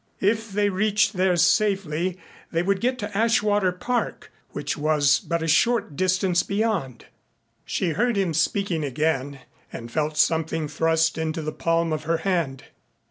If they reached there safely they would get to Ashwater Park which was but a short distance beyond. She heard him speaking again and felt something thrust into the palm of her hand.